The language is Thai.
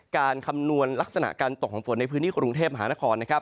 การคำนวณลักษณะการตกของฝนในพื้นที่กรุงเทพฯมหานคร